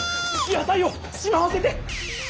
野さいをしまわせて！